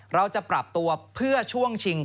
เราจะปรับตัวเพื่อช่วงชิง